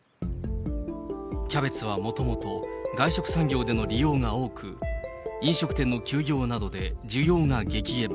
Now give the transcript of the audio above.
キャベツはもともと外食産業での利用が多く、飲食店の休業などで需要が激減。